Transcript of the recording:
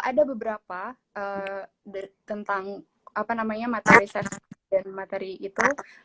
ada beberapa tentang materi safety dan materi itu